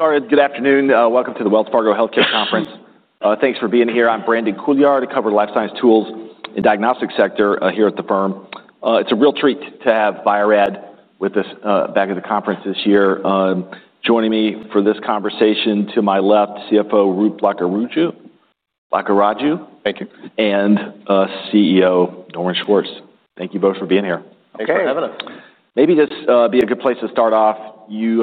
All right. Good afternoon. Welcome to the Wells Fargo Health Care Conference. Thanks for being here. I'm Brandon Coulliard. I cover life science tools and diagnostics sector here at the firm. It's a real treat to have Bio-Rad Laboratories with us back at the conference this year. Joining me for this conversation, to my left, CFO Roop Lakkaraju. Lakkaraju? CEO Norman Schwartz, thank you both for being here. Thanks for having us. Maybe this would be a good place to start off. You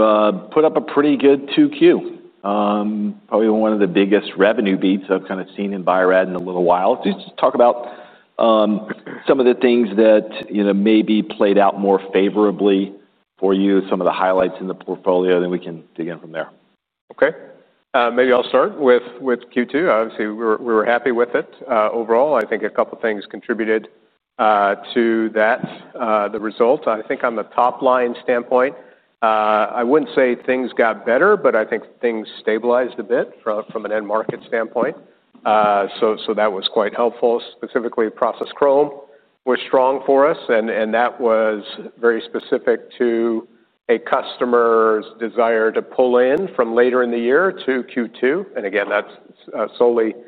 put up a pretty good 2Q. Probably one of the biggest revenue beats I've kind of seen in Bio-Rad in a little while. Just talk about some of the things that maybe played out more favorably for you, some of the highlights in the portfolio, and then we can dig in from there. Okay. Maybe I'll start with Q2. Obviously, we were happy with it overall. I think a couple of things contributed to that, the result. I think on the top line standpoint, I wouldn't say things got better, but I think things stabilized a bit from an end market standpoint. That was quite helpful. Specifically, process chromatography was strong for us. That was very specific to a customer's desire to pull in from later in the year to Q2. That's solely for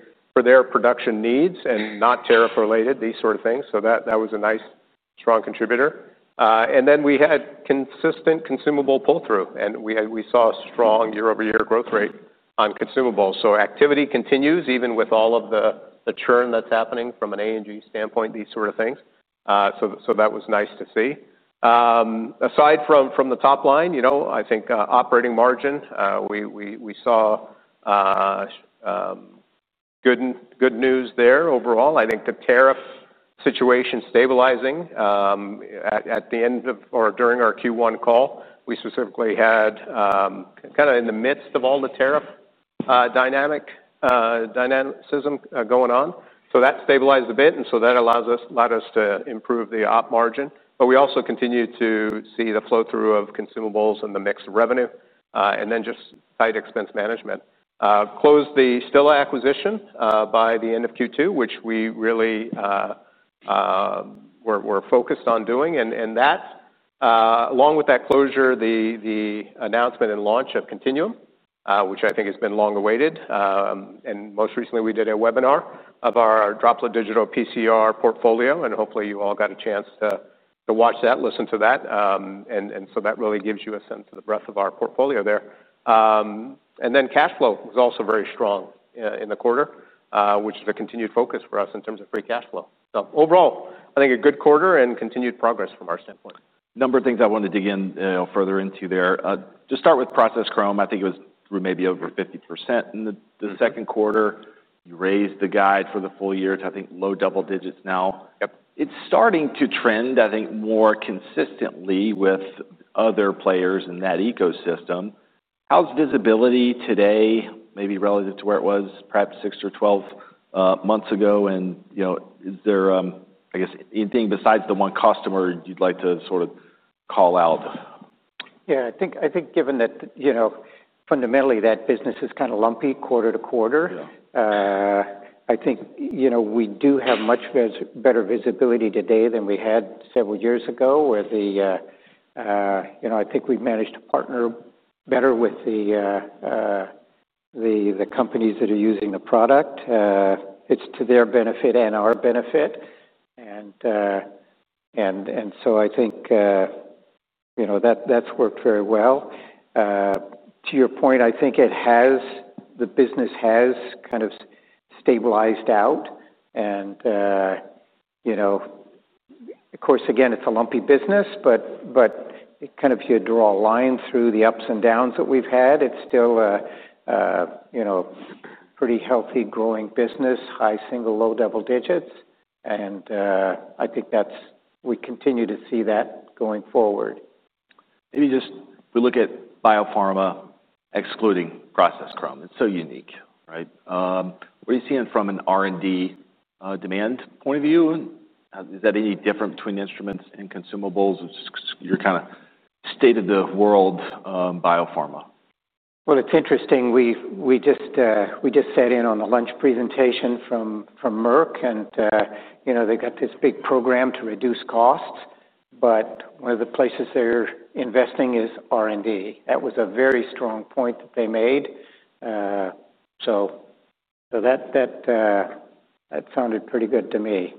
their production needs and not tariff-related, these sort of things. That was a nice, strong contributor. We had consistent consumable pull-through. We saw a strong year-over-year growth rate on consumables. Activity continues, even with all of the churn that's happening from an A&G standpoint, these sort of things. That was nice to see. Aside from the top line, I think operating margin, we saw good news there overall. I think the tariff situation stabilizing. At the end of or during our Q1 call, we specifically had kind of in the midst of all the tariff dynamicism going on. That stabilized a bit. That allowed us to improve the operating margin. We also continued to see the flow-through of consumables and the mixed revenue, and then just tight expense management. Closed the Stilla acquisition by the end of Q2, which we really were focused on doing. Along with that closure, the announcement and launch of Continuum, which I think has been long awaited. Most recently, we did a webinar of our Droplet Digital PCR portfolio. Hopefully, you all got a chance to watch that, listen to that. That really gives you a sense of the breadth of our portfolio there. Cash flow was also very strong in the quarter, which is a continued focus for us in terms of free cash flow. Overall, I think a good quarter and continued progress from our standpoint. A number of things I want to dig in further into there. Just start with process chromatography. I think it was maybe over 50% in the second quarter. You raised the guide for the full year. I think low double digits now. It's starting to trend, I think, more consistently with other players in that ecosystem. How's visibility today, maybe relative to where it was perhaps 6 months or 12 months ago? Is there, I guess, anything besides the one customer you'd like to sort of call out? Yeah, I think given that fundamentally, that business is kind of lumpy quarter to quarter, I think we do have much better visibility today than we had several years ago, where I think we've managed to partner better with the companies that are using the product. It's to their benefit and our benefit. I think that's worked very well. To your point, I think the business has kind of stabilized out. Of course, again, it's a lumpy business. If you draw a line through the ups and downs that we've had, it's still a pretty healthy, growing business, high single, low double digits. I think we continue to see that going forward. Maybe just we look at biopharma excluding process chromatography. It's so unique, right? What do you see from an R&D demand point of view? Is that any different between instruments and consumables? You kind of stated the world biopharma. It's interesting. We just sat in on a lunch presentation from Merck. They've got this big program to reduce costs. One of the places they're investing is R&D. That was a very strong point that they made. That sounded pretty good to me.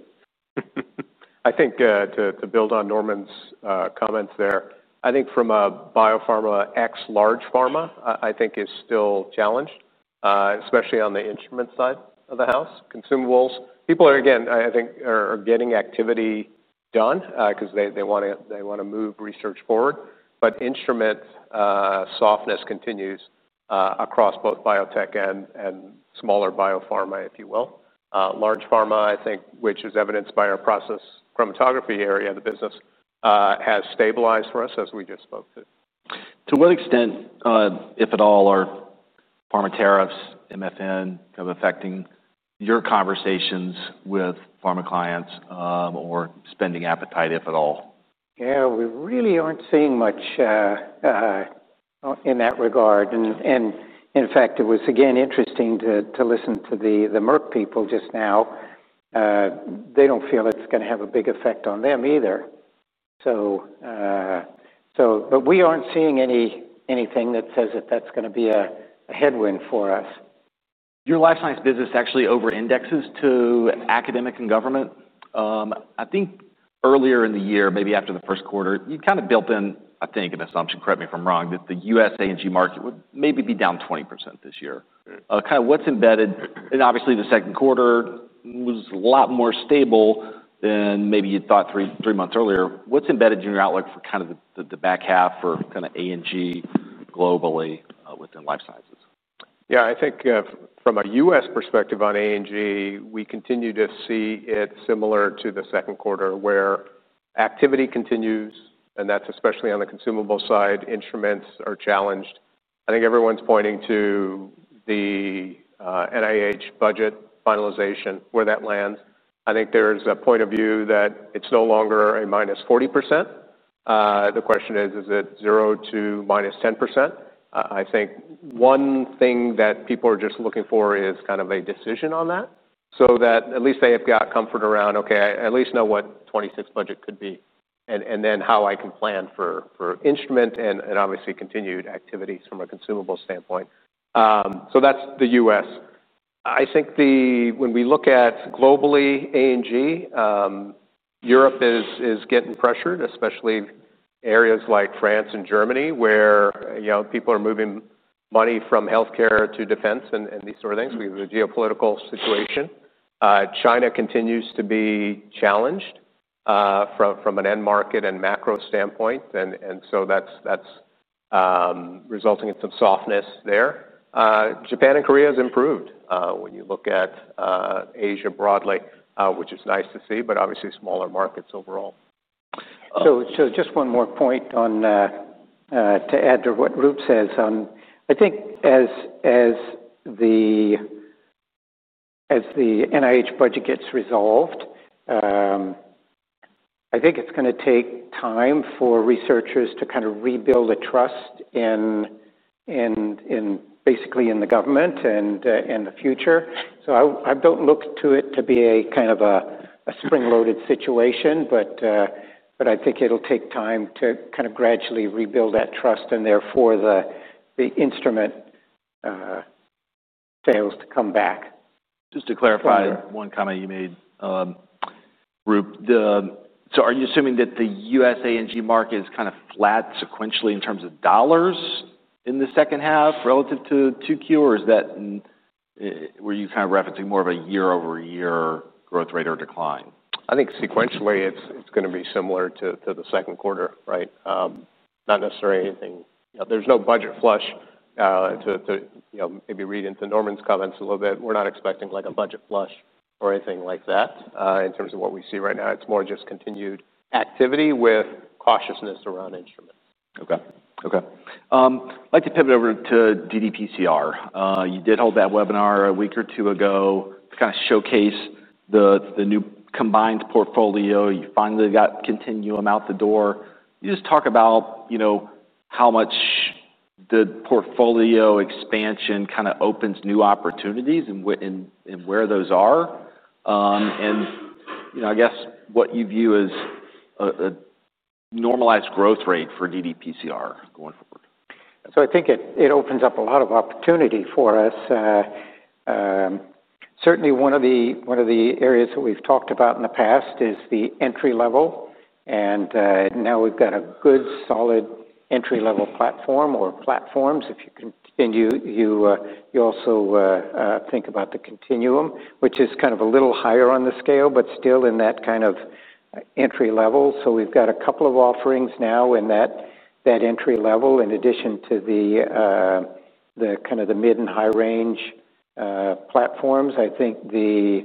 I think to build on Norman's comments there, I think from a biopharma X large pharma, I think is still challenged, especially on the instrument side of the house. Consumables, people are, again, I think are getting activity done because they want to move research forward. Instrument softness continues across both biotech and smaller biopharma, if you will. Large pharma, which is evidenced by our process chromatography area of the business, has stabilized for us, as we just spoke to. To what extent, if at all, are pharma tariffs, MFN, kind of affecting your conversations with pharma clients or spending appetite, if at all? We really aren't seeing much in that regard. In fact, it was interesting to listen to the Merck people just now. They don't feel it's going to have a big effect on them either. We aren't seeing anything that says that that's going to be a headwind for us. Your life science business actually over-indexes to academic and government. I think earlier in the year, maybe after the first quarter, you kind of built in, I think, an assumption, correct me if I'm wrong, that the U.S. A&G market would maybe be down 20% this year. What's embedded? Obviously, the second quarter was a lot more stable than maybe you thought three months earlier. What's embedded in your outlook for the back half for A&G globally within life sciences? Yeah, I think from a U.S. perspective on A&G, we continue to see it similar to the second quarter, where activity continues, especially on the consumable side. Instruments are challenged. I think everyone's pointing to the NIH budget finalization, where that lands. There is a point of view that it's no longer a -40%. The question is, is it 0%-- 10%? One thing that people are just looking for is kind of a decision on that, so that at least they have got comfort around, OK, I at least know what 2026 budget could be, and then how I can plan for instrument and obviously continued activities from a consumables standpoint. That's the U.S. I think when we look at globally A&G, Europe is getting pressured, especially areas like France and Germany, where people are moving money from health care to defense and these sort of things. We have a geopolitical situation. China continues to be challenged from an end market and macro standpoint, and that's resulting in some softness there. Japan and Korea have improved when you look at Asia broadly, which is nice to see, but obviously smaller markets overall. Just one more point to add to what Roop says on, I think as the NIH budget gets resolved, I think it's going to take time for researchers to kind of rebuild a trust in basically the government and in the future. I don't look to it to be a kind of a spring-loaded situation. I think it'll take time to kind of gradually rebuild that trust, and therefore the instrument fails to come back. Just to clarify one comment you made, Roop. Are you assuming that the U.S. A&G market is kind of flat sequentially in terms of dollars in the second half relative to 2Q? Or were you referencing more of a year-over-year growth rate or decline? I think sequentially, it's going to be similar to the second quarter, right? Not necessarily anything. There's no budget flush. To maybe read into Norman's comments a little bit, we're not expecting a budget flush or anything like that in terms of what we see right now. It's more just continued activity with cautiousness around instruments. Okay. I'd like to pivot over to ddPCR. You did hold that webinar a week or two ago to kind of showcase the new combined portfolio. You finally got Continuum out the door. Could you just talk about how much the portfolio expansion kind of opens new opportunities and where those are? I guess what you view as a normalized growth rate for ddPCR going forward. I think it opens up a lot of opportunity for us. Certainly, one of the areas that we've talked about in the past is the entry level. Now we've got a good, solid entry-level platform or platforms if you can. You also think about the continuum, which is kind of a little higher on the scale, but still in that kind of entry level. We've got a couple of offerings now in that entry level, in addition to the kind of the mid and high-range platforms. I think if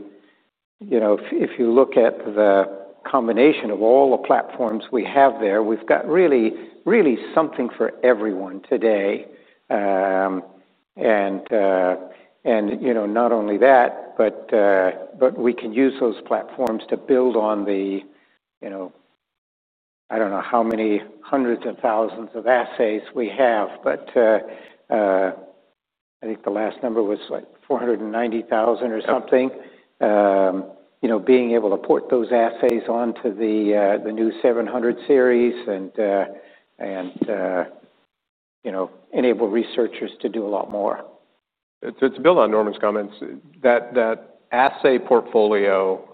you look at the combination of all the platforms we have there, we've got really, really something for everyone today. Not only that, but we can use those platforms to build on the, I don't know how many hundreds of thousands of assays we have. I think the last number was like 490,000 or something, being able to port those assays onto the new 700 series and enable researchers to do a lot more. To build on Norman's comments, that assay portfolio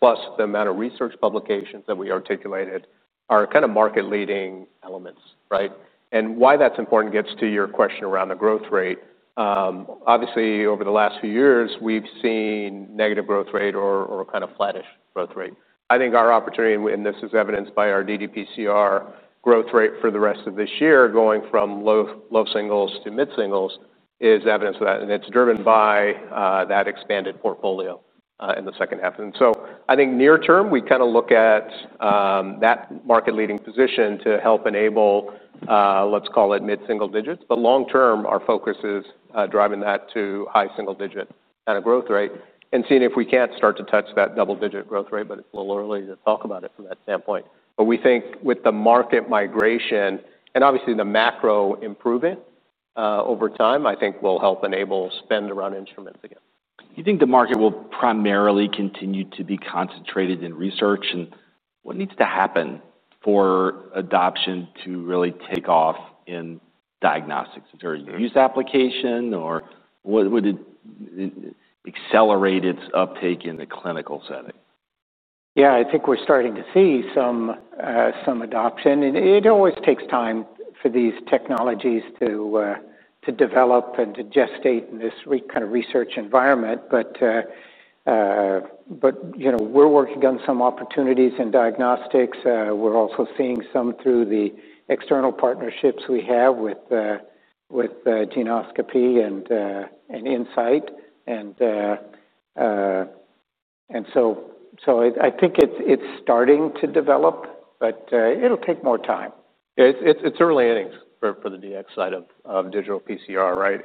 plus the amount of research publications that we articulated are kind of market-leading elements, right? Why that's important gets to your question around the growth rate. Obviously, over the last few years, we've seen negative growth rate or kind of flattish growth rate. I think our opportunity, and this is evidenced by our ddPCR growth rate for the rest of this year, going from low singles to mid singles, is evidence of that. It's driven by that expanded portfolio in the second half. I think near term, we kind of look at that market-leading position to help enable, let's call it mid single digits. Long term, our focus is driving that to high single-digit kind of growth rate and seeing if we can't start to touch that double-digit growth rate. It's a little early to talk about it from that standpoint. We think with the market migration and obviously the macro improving over time, I think will help enable spend around instruments again. Do you think the market will primarily continue to be concentrated in research? What needs to happen for adoption to really take off in diagnostics? Is there a new application? What would accelerate its uptake in the clinical setting? I think we're starting to see some adoption. It always takes time for these technologies to develop and to gestate in this kind of research environment. We're working on some opportunities in diagnostics. We're also seeing some through the external partnerships we have with Genoscopy and Insight. I think it's starting to develop. It'll take more time. It's early, I think, for the DX side of digital PCR, right?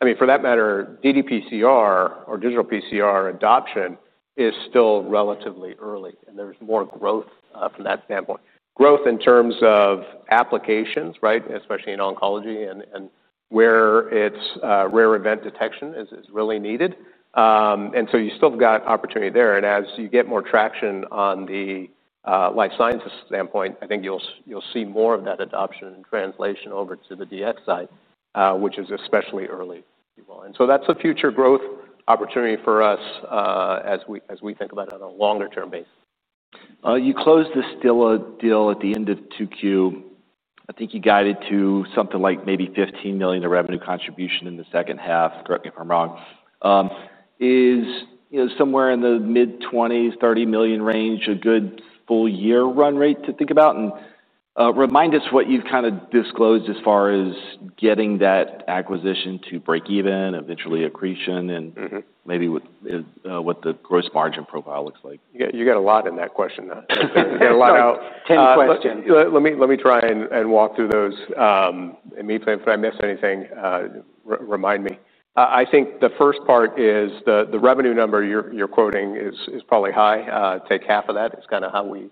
I mean, for that matter, ddPCR or digital PCR adoption is still relatively early. There's more growth from that standpoint, growth in terms of applications, especially in oncology and where rare event detection is really needed. You still have got opportunity there. As you get more traction on the life sciences standpoint, I think you'll see more of that adoption and translation over to the DX side, which is especially early, if you will. That's a future growth opportunity for us as we think about it on a longer-term basis. You closed the Stilla deal at the end of 2Q. I think you guided to something like maybe $15 million in revenue contribution in the second half, correct me if I'm wrong. Is somewhere in the mid-$20s million, $30 million range a good full-year run rate to think about? Remind us what you've kind of disclosed as far as getting that acquisition to break even, eventually accretion, and maybe what the gross margin profile looks like. You got a lot in that question. I got a lot out. 10 questions. Let me try and walk through those immediately. If I miss anything, remind me. I think the first part is the revenue number you're quoting is probably high. Take half of that. It's kind of how we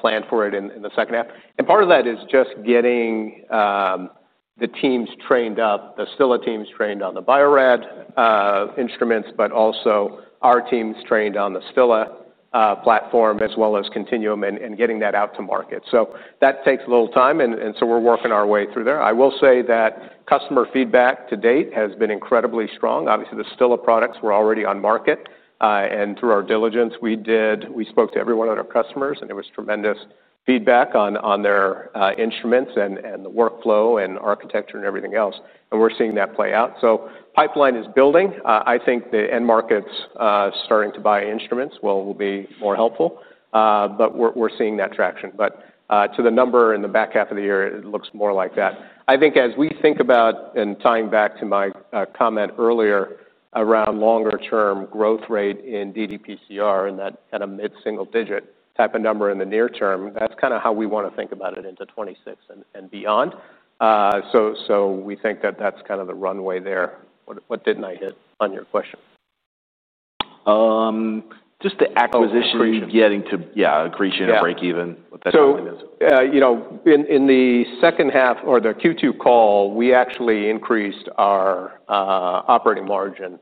plan for it in the second half. Part of that is just getting the teams trained up, the Stilla teams trained on the Bio-Rad instruments, but also our teams trained on the Stilla platform, as well as Continuum, and getting that out to market. That takes a little time. We are working our way through there. I will say that customer feedback to date has been incredibly strong. Obviously, the Stilla products were already on market. Through our diligence, we spoke to every one of our customers. There was tremendous feedback on their instruments and the workflow and architecture and everything else. We are seeing that play out. Pipeline is building. I think the end markets starting to buy instruments will be more helpful. We are seeing that traction. To the number in the back half of the year, it looks more like that. I think as we think about and tying back to my comment earlier around longer-term growth rate in ddPCR and that kind of mid single digit type of number in the near term, that's kind of how we want to think about it into 2026 and beyond. We think that that's kind of the runway there. What didn't I hit on your questions? Just the acquisition. Yeah, accretion, break even, what that normally means. In the second half or the Q2 call, we actually increased our operating margin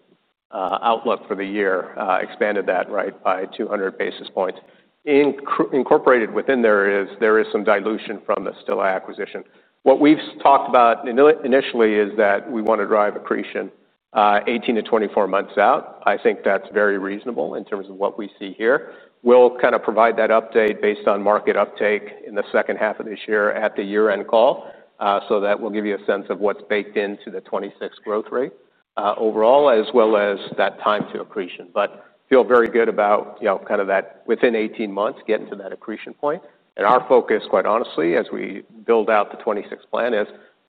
outlook for the year, expanded that by 200 basis points. Incorporated within there is some dilution from the Stilla acquisition. What we've talked about initially is that we want to drive accretion 18 months-2 4 months out. I think that's very reasonable in terms of what we see here. We'll kind of provide that update based on market uptake in the second half of this year at the year-end call. That will give you a sense of what's baked into the 2026 growth rate overall, as well as that time to accretion. I feel very good about kind of that within 18 months, getting to that accretion point. Our focus, quite honestly, as we build out the 2026 plan is,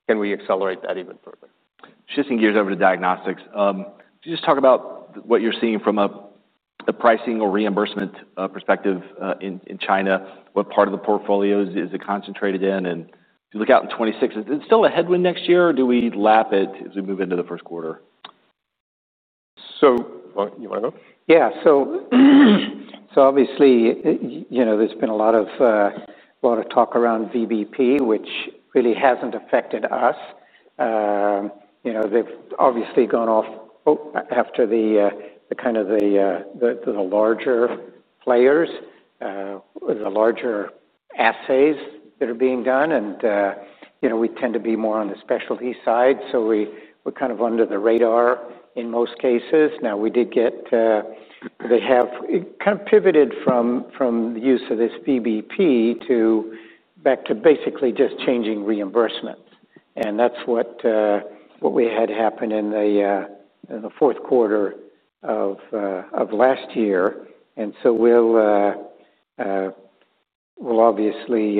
can we accelerate that even further? Shifting gears over to diagnostics, could you just talk about what you're seeing from a pricing or reimbursement perspective in China? What part of the portfolios is it concentrated in? You look out in 2026, is it still a headwind next year? Do we lap it as we move into the first quarter? Do you want to go? Yeah. Obviously, there's been a lot of talk around VBP, which really hasn't affected us. They've obviously gone off after kind of the larger players, the larger assays that are being done. We tend to be more on the specialty side, so we're kind of under the radar in most cases. We did get they have kind of pivoted from the use of this VBP back to basically just changing reimbursement. That's what we had happen in the fourth quarter of last year. We'll obviously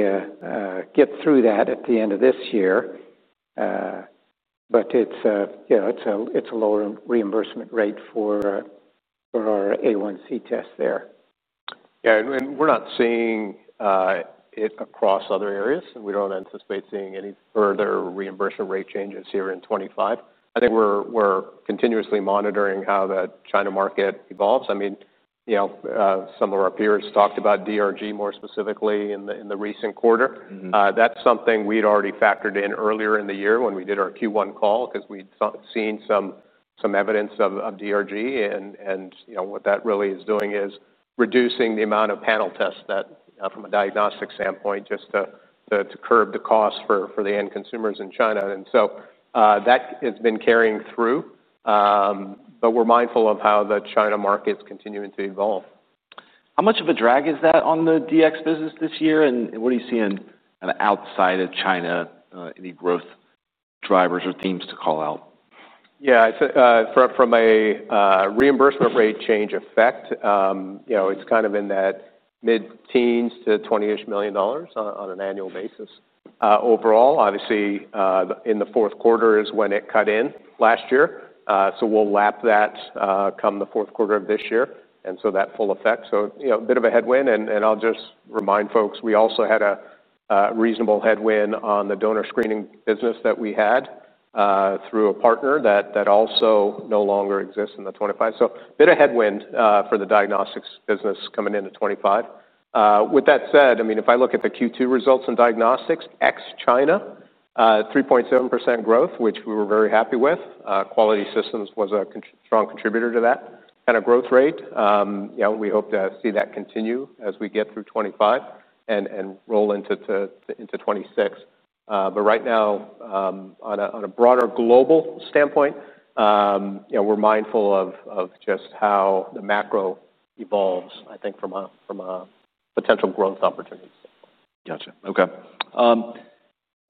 get through that at the end of this year, but it's a lower reimbursement rate for our A1C test there. Yeah. We're not seeing it across other areas, and we don't anticipate seeing any further reimbursement rate changes here in 2025. I think we're continuously monitoring how the China market evolves. Some of our peers talked about DRG more specifically in the recent quarter. That's something we'd already factored in earlier in the year when we did our Q1 call because we'd seen some evidence of DRG. What that really is doing is reducing the amount of panel tests from a diagnostic standpoint just to curb the cost for the end consumers in China. That has been carrying through. We're mindful of how the China market is continuing to evolve. How much of a drag is that on the DX business this year? What are you seeing kind of outside of China, any growth drivers or themes to call out? Yeah. From a reimbursement rate change effect, it's kind of in that mid-teens to $20 million on an annual basis overall. Obviously, in the fourth quarter is when it cut in last year. We'll lap that come the fourth quarter of this year, and so that full effect. A bit of a headwind. I'll just remind folks, we also had a reasonable headwind on the donor screening business that we had through a partner that also no longer exists in 2025. A bit of headwind for the diagnostics business coming into 2025. With that said, if I look at the Q2 results in diagnostics, ex-China, 3.7% growth, which we were very happy with. Quality Systems was a strong contributor to that kind of growth rate, and we hope to see that continue as we get through 2025 and roll into 2026. Right now, on a broader global standpoint, we're mindful of just how the macro evolves, I think, from potential growth opportunities. Got you. Okay.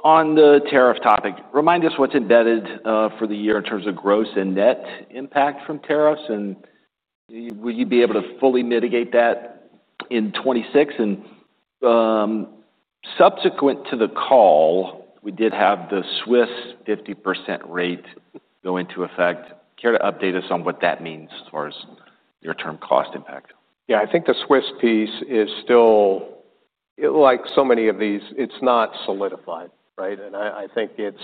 On the tariff topic, remind us what's embedded for the year in terms of gross and net impact from tariffs. Would you be able to fully mitigate that in 2026? Subsequent to the call, we did have the Swiss 50% rate go into effect. Care to update us on what that means as far as near-term cost impact? Yeah, I think the Swiss piece is still, like so many of these, it's not solidified, right? I think it's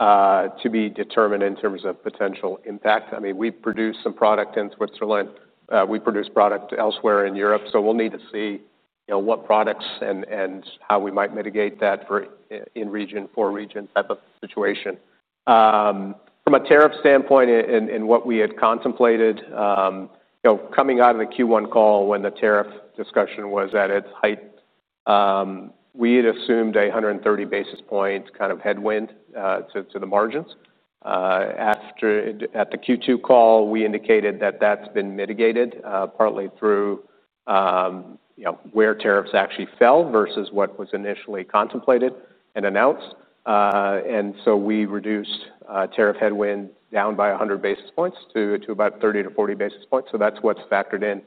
to be determined in terms of potential impact. I mean, we produce some product in Switzerland. We produce product elsewhere in Europe. We'll need to see what products and how we might mitigate that in region, for region type of situation. From a tariff standpoint and what we had contemplated, coming out of the Q1 call when the tariff discussion was at its height, we had assumed a 130 basis point kind of headwind to the margins. At the Q2 call, we indicated that that's been mitigated partly through where tariffs actually fell versus what was initially contemplated and announced. We reduced tariff headwind down by 100 basis points to about 30 basis points- 40 basis points. That's what's factored in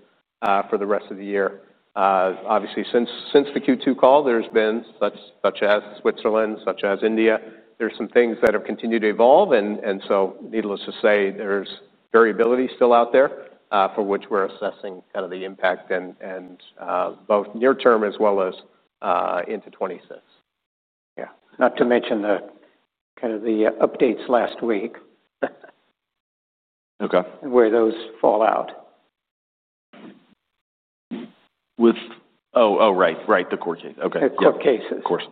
for the rest of the year. Obviously, since the Q2 call, there's been such as Switzerland, such as India. There are some things that have continued to evolve. Needless to say, there's variability still out there for which we're assessing kind of the impact in both near term as well as into 2026. Yeah, not to mention the kind of the updates last week where those fall out. Right, the court case. Okay. The court cases. Of course.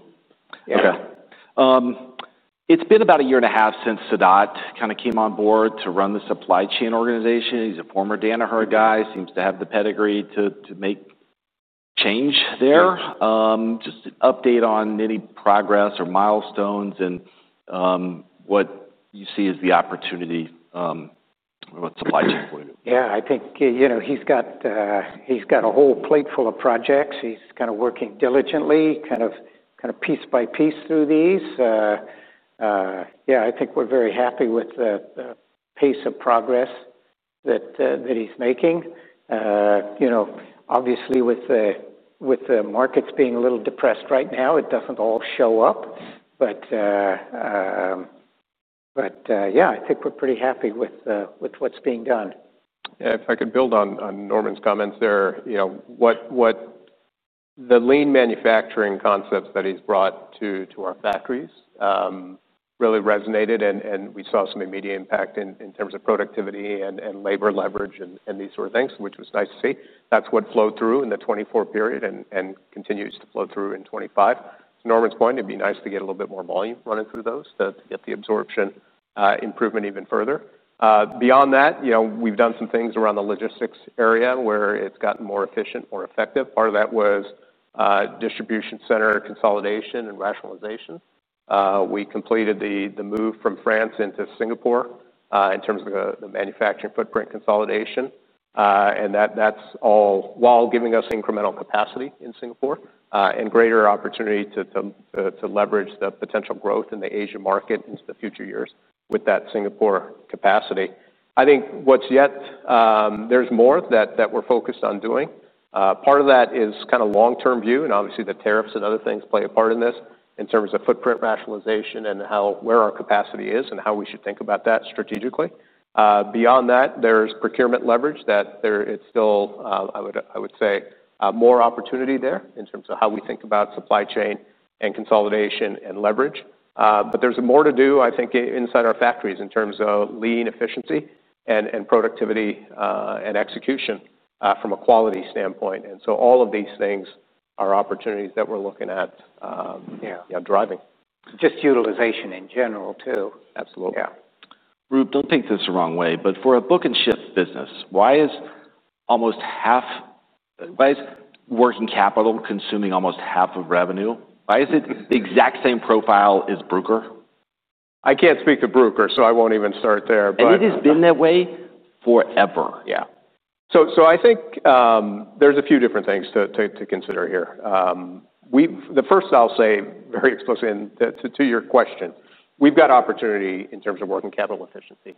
It's been about a year and a half since Sadat kind of came on board to run the supply chain organization. He's a former Danaher guy. Seems to have the pedigree to make change there. Just an update on any progress or milestones and what you see as the opportunity with supply chain for you. Yeah, I think he's got a whole plate full of projects. He's kind of working diligently, piece by piece through these. Yeah, I think we're very happy with the pace of progress that he's making. Obviously, with the markets being a little depressed right now, it doesn't all show up. Yeah, I think we're pretty happy with what's being done. Yeah, if I could build on Norman's comments there, the lean manufacturing concepts that he's brought to our factories really resonated. We saw some immediate impact in terms of productivity and labor leverage and these sort of things, which was nice to see. That's what flowed through in the 2024 period and continues to flow through in 2025. To Norman's point, it'd be nice to get a little bit more volume running through those to get the absorption improvement even further. Beyond that, we've done some things around the logistics area where it's gotten more efficient, more effective. Part of that was distribution center consolidation and rationalization. We completed the move from France into Singapore in terms of the manufacturing footprint consolidation. That's all while giving us incremental capacity in Singapore and greater opportunity to leverage the potential growth in the Asia market into the future years with that Singapore capacity. I think what's yet, there's more that we're focused on doing. Part of that is kind of long-term view. Obviously, the tariffs and other things play a part in this in terms of footprint rationalization and where our capacity is and how we should think about that strategically. Beyond that, there's procurement leverage that there is still, I would say, more opportunity there in terms of how we think about supply chain and consolidation and leverage. There's more to do, I think, inside our factories in terms of lean efficiency and productivity and execution from a quality standpoint. All of these things are opportunities that we're looking at driving. Just utilization in general, too. Absolutely. Yeah. Roop, don't take this the wrong way. For a book and shift business, why is working capital consuming almost half of revenue? Why is it the exact same profile as Bruker? I can't speak to Bruker, so I won't even start there. It has been that way forever. I think there's a few different things to consider here. The first, I'll say very explicitly to your question, we've got opportunity in terms of working capital efficiency.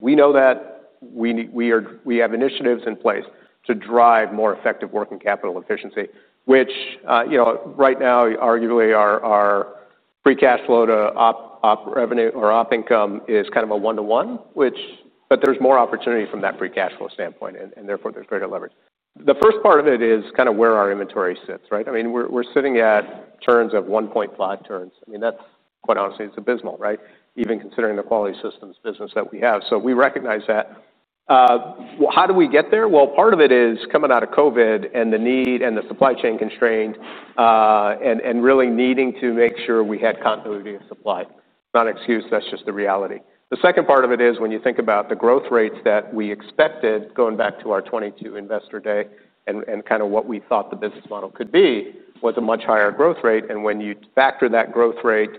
We know that we have initiatives in place to drive more effective working capital efficiency, which right now, arguably, our free cash flow to op revenue or op income is kind of a one-to-one. There's more opportunity from that free cash flow standpoint. Therefore, there's greater leverage. The first part of it is kind of where our inventory sits, right? I mean, we're sitting at turns of 1.0 turns. I mean, that's quite honestly, it's abysmal, right? Even considering the Quality Systems business that we have. We recognize that. How do we get there? Part of it is coming out of COVID and the need and the supply chain constraint and really needing to make sure we had continuity of supply. Not an excuse. That's just the reality. The second part of it is when you think about the growth rates that we expected, going back to our 2022 investor day and kind of what we thought the business model could be, was a much higher growth rate. When you factor that growth rate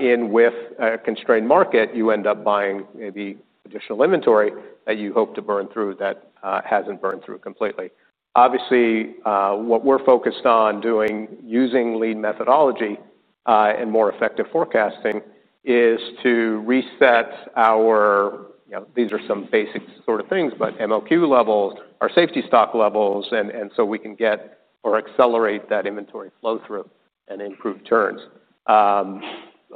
in with a constrained market, you end up buying maybe additional inventory that you hope to burn through that hasn't burned through completely. Obviously, what we're focused on doing, using lean methodology and more effective forecasting, is to reset our, these are some basic sort of things, but MOQ levels, our safety stock levels, so we can get or accelerate that inventory flow through and improve turns.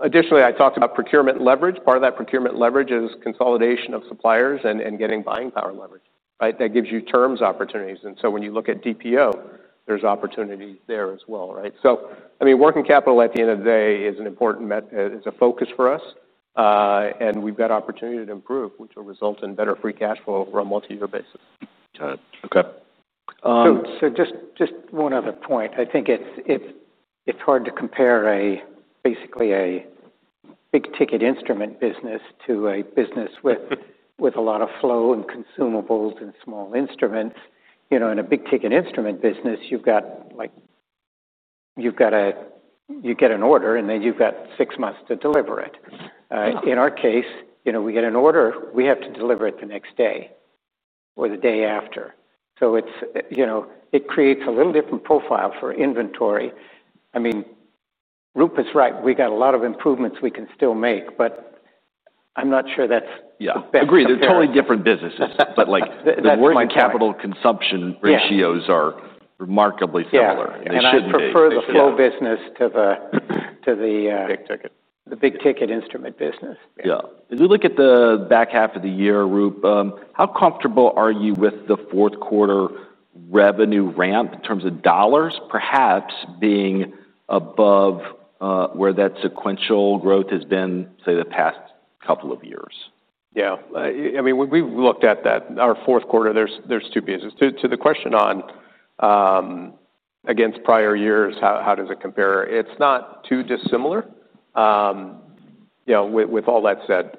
Additionally, I talked about procurement leverage. Part of that procurement leverage is consolidation of suppliers and getting buying power leverage, right? That gives you terms opportunities. When you look at DPO, there's opportunities there as well, right? Working capital at the end of the day is an important focus for us. We've got opportunity to improve, which will result in better free cash flow over a multi-year basis. Just one other point. I think it's hard to compare basically a big-ticket instrument business to a business with a lot of flow and consumables and small instruments. In a big-ticket instrument business, you get an order, and then you've got six months to deliver it. In our case, we get an order. We have to deliver it the next day or the day after. It creates a little different profile for inventory. I mean, Roop is right. We got a lot of improvements we can still make. I'm not sure that's the best. Agreed. They're totally different businesses, but the working capital consumption ratios are remarkably similar. I prefer the flow business to the big-ticket instrument business. Yeah. As we look at the back half of the year, Roop, how comfortable are you with the fourth quarter revenue ramp in terms of dollars, perhaps being above where that sequential growth has been, say, the past couple of years? Yeah. I mean, we've looked at that. Our fourth quarter, there's two businesses. To the question on against prior years, how does it compare? It's not too dissimilar. With all that said,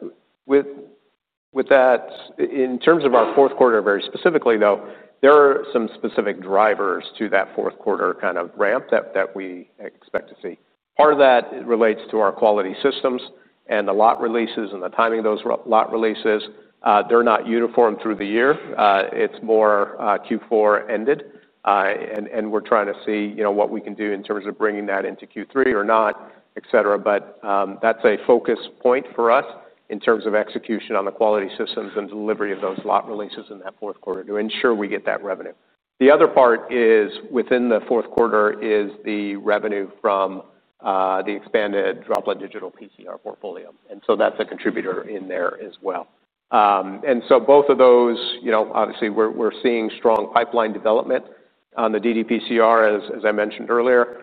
in terms of our fourth quarter very specifically, though, there are some specific drivers to that fourth quarter kind of ramp that we expect to see. Part of that relates to our Quality Systems and the lot releases and the timing of those lot releases. They're not uniform through the year. It's more Q4 ended. We're trying to see what we can do in terms of bringing that into Q3 or not, et cetera. That's a focus point for us in terms of execution on the Quality Systems and delivery of those lot releases in that fourth quarter to ensure we get that revenue. The other part is within the fourth quarter is the revenue from the expanded Droplet Digital PCR portfolio. That's a contributor in there as well. Both of those, obviously, we're seeing strong pipeline development on the ddPCR, as I mentioned earlier.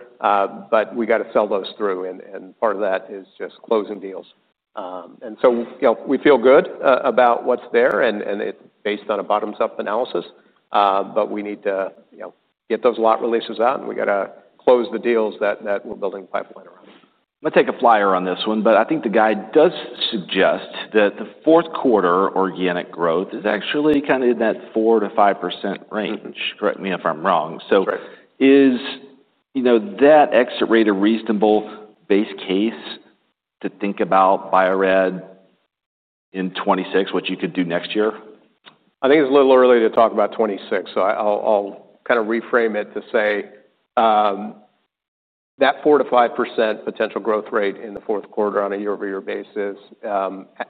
We got to sell those through. Part of that is just closing deals. We feel good about what's there, and it's based on a bottoms-up analysis. We need to get those lot releases out. We got to close the deals that we're building a pipeline around. Let's take a flyer on this one. I think the guide does suggest that the fourth quarter organic growth is actually kind of in that 4% - 5% range. Correct me if I'm wrong. Is that exit rate a reasonable base case to think about Bio-Rad in 2026, what you could do next year? I think it's a little early to talk about 2026. I'll kind of reframe it to say that 4%-5 % potential growth rate in the fourth quarter on a year-over-year basis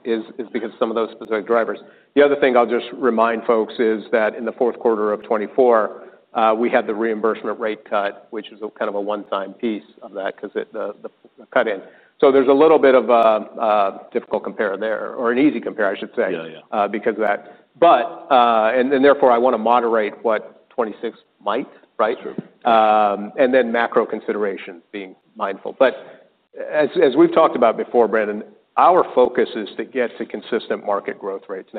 is because of some of those specific drivers. The other thing I'll just remind folks is that in the fourth quarter of 2024, we had the reimbursement rate cut, which is kind of a one-time piece of that because the cut-in. There's a little bit of a difficult compare there, or an easy compare, I should say, because of that. Therefore, I want to moderate what 2026 might, right? Macro consideration, being mindful. As we've talked about before, Brandon, our focus is to get to consistent market growth rates.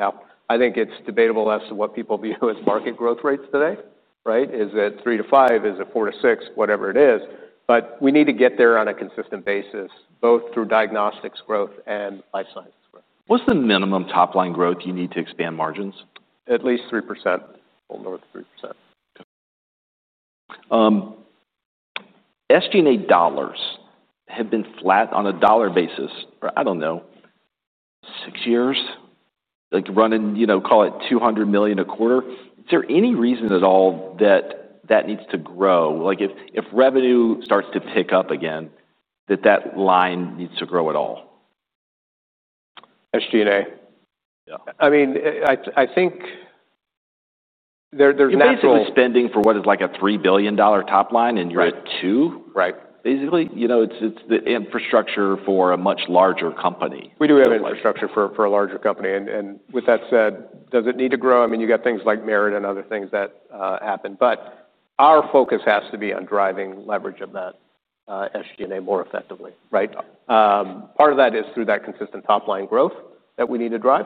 I think it's debatable as to what people view as market growth rates today, right? Is it 3% - 5%? Is it 4% - 6%? Whatever it is. We need to get there on a consistent basis, both through diagnostics growth and life sciences growth. What's the minimum top line growth you need to expand margins? At least 3% or lower than 3%. SG&A dollars have been flat on a dollar basis for, I don't know, six years, like running, you know, call it $200 million a quarter. Is there any reason at all that that needs to grow? Like if revenue starts to pick up again, that line needs to grow at all? SG&A. I mean, I think there's not. You're basically spending for what is like a $3 billion top line, and you're at 2%? Basically, you know, it's the infrastructure for a much larger company. We do have infrastructure for a larger company. With that said, does it need to grow? I mean, you got things like merit and other things that happen. Our focus has to be on driving leverage of that SG&A more effectively, right? Part of that is through that consistent top line growth that we need to drive.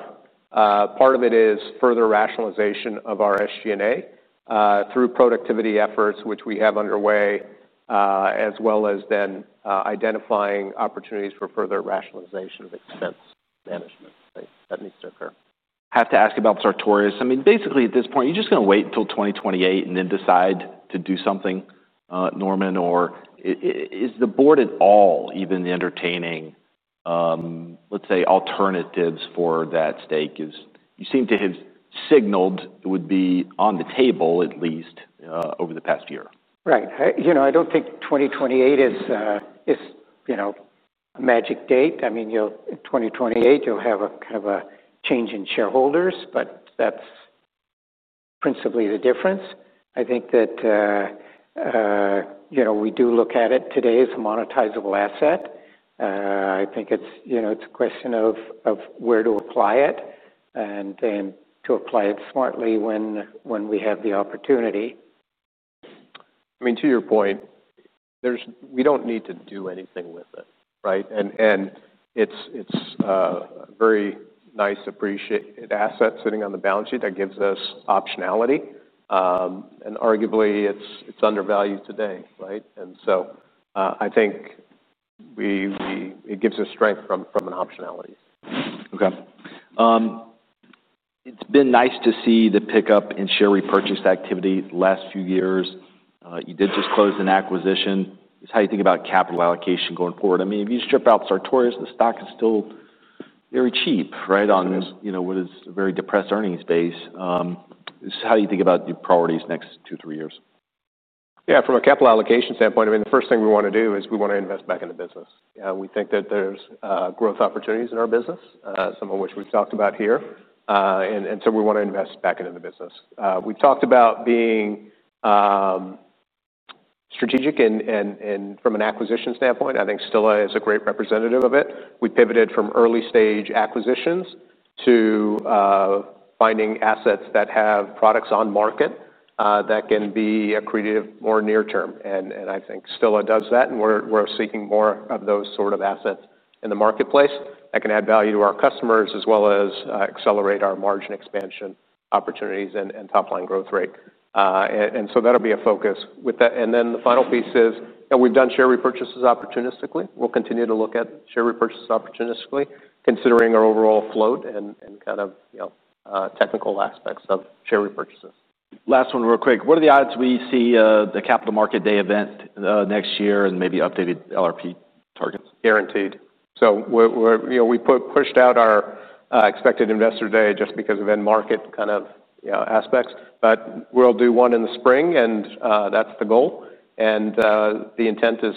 Part of it is further rationalization of our SG&A through productivity efforts, which we have underway, as well as then identifying opportunities for further rationalization of expense management that needs to occur. I have to ask about Sartorius. I mean, basically, at this point, you're just going to wait until 2028 and then decide to do something, Norman? Or is the board at all even entertaining, let's say, alternatives for that stake? You seem to have signaled it would be on the table at least over the past year. Right. I don't think 2028 is a magic date. In 2028, you'll have kind of a change in shareholders. That's principally the difference. I think that we do look at it today as a monetizable asset. I think it's a question of where to apply it and then to apply it smartly when we have the opportunity. I mean, to your point, we don't need to do anything with it, right? It's a very nice appreciated asset sitting on the balance sheet that gives us optionality. Arguably, it's undervalued today, right? I think it gives us strength from an optionality. Okay. It's been nice to see the pickup in share repurchase activity the last few years. You did just close an acquisition. How do you think about capital allocation going forward? I mean, if you strip out Sartorius, the stock is still very cheap, right, on what is a very depressed earnings base. How do you think about your priorities next two, three years? Yeah, from a capital allocation standpoint, the first thing we want to do is we want to invest back in the business. We think that there's growth opportunities in our business, some of which we've talked about here. We want to invest back into the business. We've talked about being strategic. From an acquisition standpoint, I think Stilla is a great representative of it. We pivoted from early-stage acquisitions to finding assets that have products on market that can be accretive more near term. I think Stilla does that. We're seeking more of those sort of assets in the marketplace that can add value to our customers, as well as accelerate our margin expansion opportunities and top line growth rate. That'll be a focus with that. The final piece is we've done share repurchases opportunistically. We'll continue to look at share repurchases opportunistically, considering our overall float and kind of technical aspects of share repurchases. Last one real quick. What are the odds we see the capital market day event next year and maybe updated LRP targets? We pushed out our expected investor day just because of end market kind of aspects, but we'll do one in the spring. That's the goal, and the intent is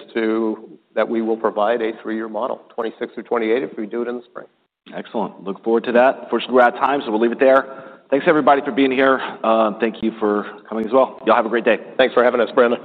that we will provide a three-year model, 2026 through 2028, if we do it in the spring. Excellent. Look forward to that. We're out of time, so we'll leave it there. Thanks, everybody, for being here. Thank you for coming as well. Y'all have a great day. Thanks for having us, Brandon.